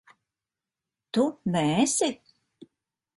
Tu neesi?